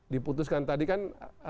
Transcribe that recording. diputuskan tadi kan munas kita